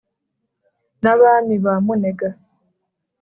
na bami ba munega,